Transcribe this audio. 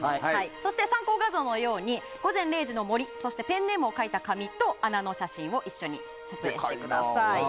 そして、参考画像のように「午前０時の森」と書いた紙と穴の写真を一緒に撮影してください。